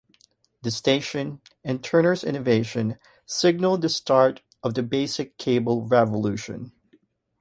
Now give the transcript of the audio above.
The station, and Turner's innovation, signaled the start of the basic cable revolution.